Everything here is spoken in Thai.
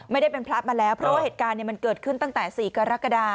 ไม่ได้เป็นพระมาแล้วเพราะว่าเหตุการณ์มันเกิดขึ้นตั้งแต่๔กรกฎา